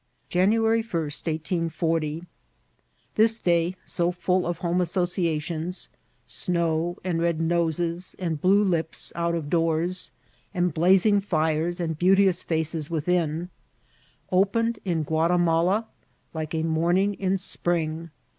January 1, 1840. This day, so full of home asso ciations— snow, and red noses, and blue lips out of doors, and blazing fires and beauteous £aces within— qpened in Guatimala like a morning in spring.